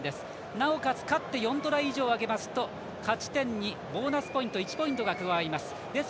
なおかつ勝って４トライ以上あげますと勝ち点にボーナスポイント１が加わることになります。